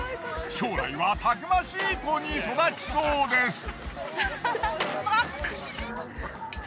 将来はたくましい子に育ちそうです。